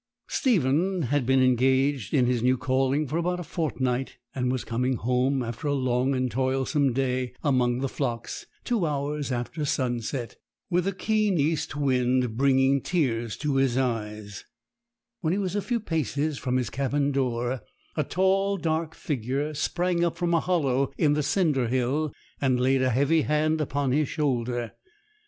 Stephen had been engaged in his new calling for about a fortnight, and was coming home, after a long and toilsome day among the flocks, two hours after sunset, with a keen east wind bringing the tears into his eyes, when a few paces from his cabin door a tall dark figure sprang up from a hollow in the cinder hill, and laid a heavy hand upon his shoulder.